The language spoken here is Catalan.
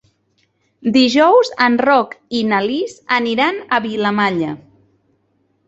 Dijous en Roc i na Lis aniran a Vilamalla.